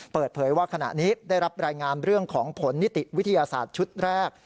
เปิดเผยว่าขณะนี้ได้รับรายงานเรื่องของผลนิติวิทยาศาสตร์ชุดแรก